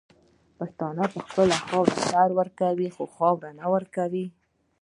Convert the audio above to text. پښتون په خپله خاوره سر ورکوي خو خاوره نه ورکوي.